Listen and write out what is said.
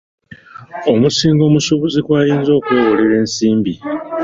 Omusingo omusuubuzi kwayinza okwewolera ensimbi.